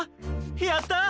やった！